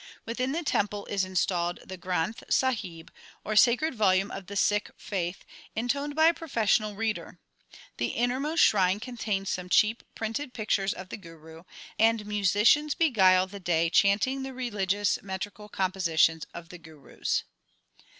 Within the temple is installed the Granth Sahib, or sacred volume of the Sikh faith, intoned by a pro fessional reader. The innermost shrine contains some cheap printed pictures of the Guru, and musicians beguile the day chanting the religious metrical compositions of the Gurus.